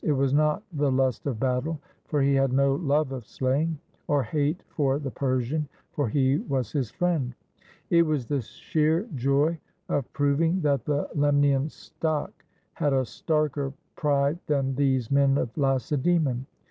It was not the lust of battle, for he had no love of slaying, or hate for the Persian, for he was his friend. It was the sheer joy of proving that the Lemnian stock had a starker pride than these men of Lacedaemon.